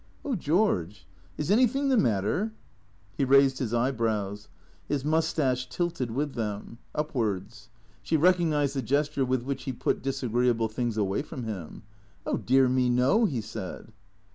" Oh, George, is anything the matter ?" He raised his eyebrows. His moustache tilted with them. 194 THE CEEA TOES upwards. She recognized the gesture with which he put dis agreeable things away from him. " Oh, dear me, no," he said.